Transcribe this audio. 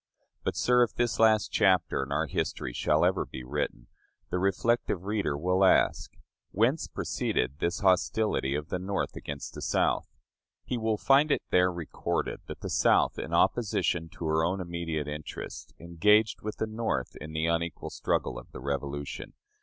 But, sir, if this last chapter in our history shall ever be written, the reflective reader will ask, Whence proceeded this hostility of the North against the South? He will find it there recorded that the South, in opposition to her own immediate interests, engaged with the North in the unequal struggle of the Revolution.